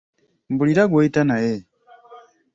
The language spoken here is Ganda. Mbuulira gw'oyita naye.